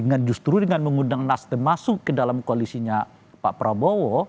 nah justru dengan mengundang nasdem masuk ke dalam koalisinya pak prabowo